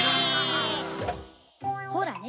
ほらね